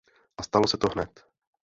A stalo se to hned.